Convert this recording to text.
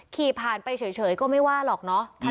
ขี่ผ่านไปเฉยก็ไม่ว่าหรอกเนอะ